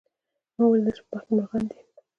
ما ولیدل چې په باغ کې مرغان دي